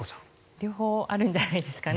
両方あるんじゃないですかね。